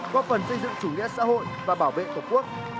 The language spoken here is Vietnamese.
góp phần xây dựng chủ nghĩa xã hội và bảo vệ tổ quốc